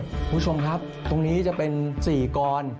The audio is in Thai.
คุณผู้ชมครับตรงนี้จะเป็น๔กร